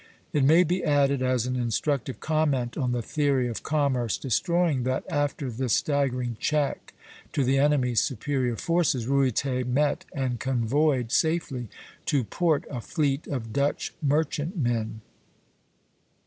It may be added, as an instructive comment on the theory of commerce destroying, that after this staggering check to the enemy's superior forces, Ruyter met and convoyed safely to port a fleet of Dutch merchantmen.